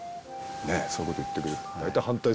そういうこと言ってくれる大体。